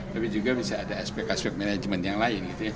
tapi juga bisa ada aspek aspek manajemen yang lain